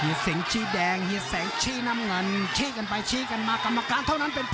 เหยียดเสียงชี้แดงเหยียดเสียงชี้น้ำเงิน